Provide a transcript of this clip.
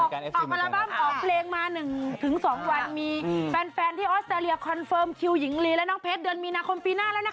ออกอัลบั้มออกเพลงมา๑๒วันมีแฟนที่ออสเตรเลียคอนเฟิร์มคิวหญิงลีและน้องเพชรเดือนมีนาคมปีหน้าแล้วนะคะ